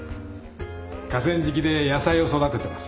河川敷で野菜を育ててます。